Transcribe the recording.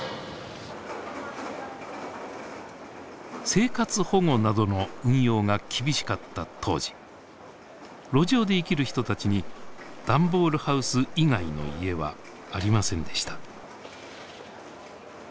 生活保護などの運用が厳しかった当時路上で生きる人たちにダンボールハウス以外の「家」はありませんでした。